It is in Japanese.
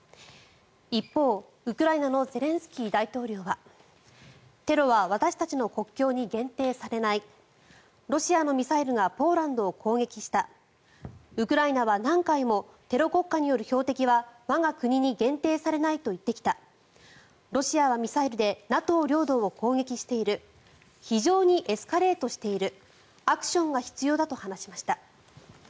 一方、ウクライナのゼレンスキー大統領はテロは私たちの国境に限定されないロシアのミサイルがポーランドを攻撃したウクライナは何回もテロ国家による標的は我が国に限定されないと言ってきたロシアはミサイルでＮＡＴＯ領土を攻撃している非常にエスカレートしているアクションが必要だと話しました。